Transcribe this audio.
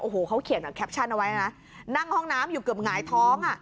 โอ้โหเขาเขียนแบบแคปชั่นเอาไว้นะนั่งห้องน้ำอยู่เกือบหงายท้องอ่ะ